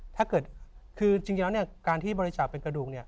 ถ้าเกิดคือจริงแล้วการที่บริจาคเป็นกระดูก